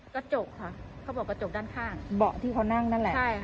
กระจกค่ะเขาบอกกระจกด้านข้างเบาะที่เขานั่งนั่นแหละ